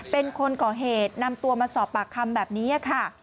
เป็นคนก่อเหตุนำตัวมาสอบปากคำแบบนี้ค่ะ